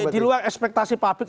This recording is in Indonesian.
di luar ekspektasi pak fik